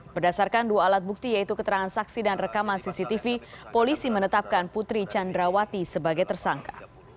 berdasarkan dua alat bukti yaitu keterangan saksi dan rekaman cctv polisi menetapkan putri candrawati sebagai tersangka